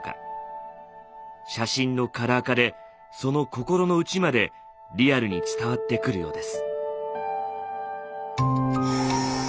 写真のカラー化でその心の内までリアルに伝わってくるようです。